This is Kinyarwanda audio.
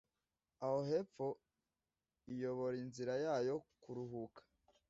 Aho hepfo iyobora inzira yayo kuruhuka